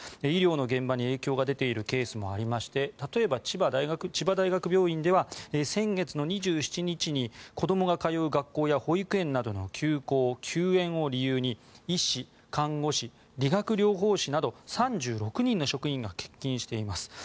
医療の現場に影響が出ているケースもありまして例えば千葉大学病院では先月の２７日に子どもが通う学校や保育園などの休校・休園を理由に医師、看護師、理学療法士など３６人の職員が欠勤しています。